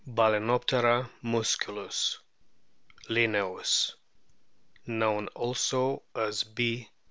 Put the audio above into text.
Balfenoptera musculus, Linnaeus* (known also as B.